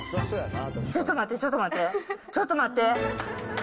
ちょっと待って、ちょっと待って、ちょっと待って！